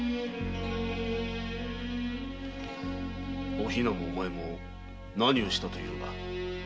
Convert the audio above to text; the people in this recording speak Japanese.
お比奈もお前も何をしたというのだ。